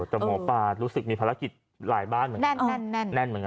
แต่หมอปลารู้สึกมีภารกิจหลายบ้านเหมือนกันแน่นเหมือนกัน